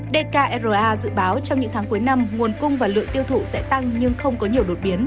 dkra dự báo trong những tháng cuối năm nguồn cung và lượng tiêu thụ sẽ tăng nhưng không có nhiều đột biến